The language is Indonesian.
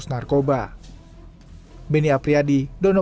saat ini suami wanita ini tidak tahu